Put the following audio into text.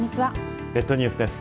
列島ニュースです。